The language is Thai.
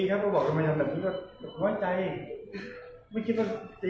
ไม่เคยติ้งเลยครับชุดคอนนี้ก็ดูแลอยู่เหมือนเดิม